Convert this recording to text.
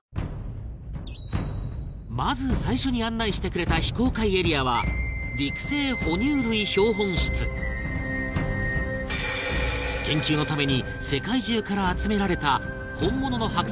まず最初に案内してくれた非公開エリアは研究のために世界中から集められた本物の剥製